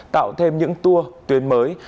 tạo thêm những tour tuyến mới